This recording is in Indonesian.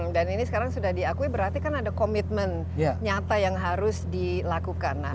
dan ini sekarang sudah diakui berarti kan ada komitmen nyata yang harus dilakukan